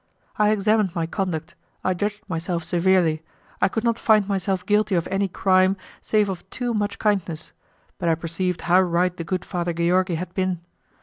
I examined my conduct, I judged myself severely, I could not find myself guilty of any crime save of too much kindness, but I perceived how right the good Father Georgi had been.